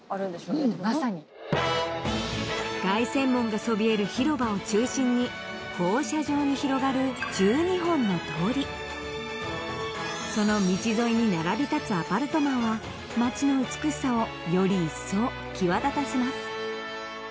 うんまさに凱旋門がそびえる広場を中心に放射状に広がる１２本の通りその道沿いに並びたつアパルトマンは街の美しさをより一層際立たせます